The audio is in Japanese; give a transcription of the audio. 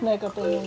うん。